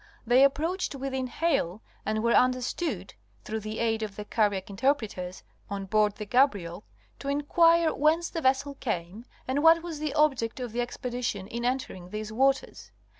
They approached within hail, and were understood, through the aid of the Kariak interpreters on board the Gabriel, to enquire whence the vessel came and what was the object of the expedition in entering these waters.